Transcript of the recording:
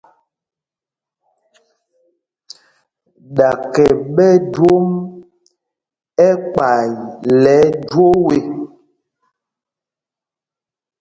Ɗaka!ɓɛ jwom ɛkpay lɛ ɛjwoo ê.